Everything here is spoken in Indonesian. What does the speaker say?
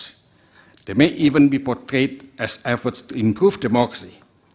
mereka mungkin juga dipotret sebagai usaha untuk meningkatkan demokrasi